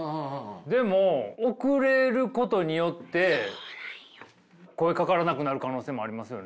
でも遅れることによって声かからなくなる可能性もありますよね。